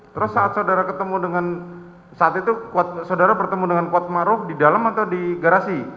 terus saat saudara ketemu dengan saat itu saudara bertemu dengan kuat maruf di dalam atau di garasi